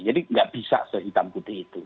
jadi gak bisa sehitam putih itu